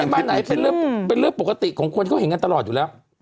บ้านไหนเป็นเรื่องปกติของคนที่เขาเห็นกันตลอดอยู่แล้ว